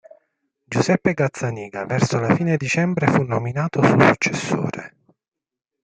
Giuseppe Gazzaniga verso la fine dicembre fu nominato suo successore.